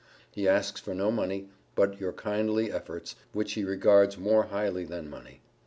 He asks for no money, but your kindly efforts, which he regards more highly than money.